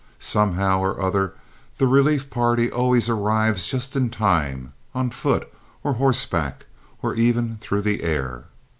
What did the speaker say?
Somehow or other the relief party always arrives just in time, on foot, or horseback, or even through the air.